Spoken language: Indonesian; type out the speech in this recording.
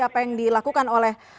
apa yang dilakukan oleh